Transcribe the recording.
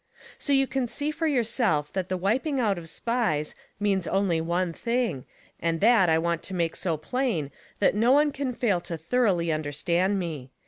So you can see for yourself that the wiping out of Spies means only one thing, and that I want to make so plain that no one can fail to thoroughly understand me.